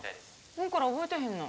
この子ら覚えてへんの？